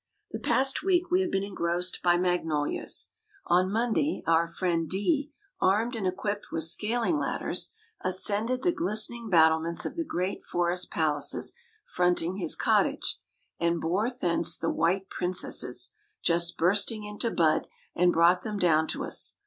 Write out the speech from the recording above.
The past week we have been engrossed by magnolias. On Monday, our friend D , armed and equipped with scaling ladders, ascended the glistening battlements of the great forest palaces fronting his cottage, and bore thence the white princesses, just bursting into bud, and brought them down to us.